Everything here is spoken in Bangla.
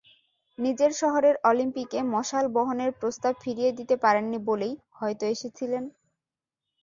নিজের শহরের অলিম্পিকে মশাল বহনের প্রস্তাব ফিরিয়ে দিতে পারেননি বলেই হয়তো এসেছিলেন।